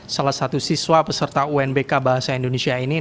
salah satu siswa peserta unbk bahasa indonesia ini